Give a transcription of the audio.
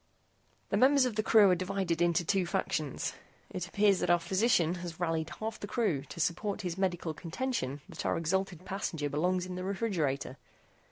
"The members of the crew are divided into two factions. It appears that our physician has rallied half the crew to support his medical contention that our exhalted passenger belongs in the refrigerator.